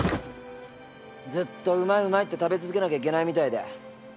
ずっとうまいうまいって食べ続けなきゃいけないみたいで。